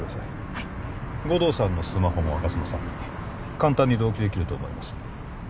はい護道さんのスマホも吾妻さんに簡単に同期できると思います